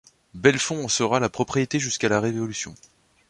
Bellefond en sera la propriété jusqu'à la Révolution.